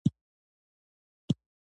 د ژمي جامې بازار لري.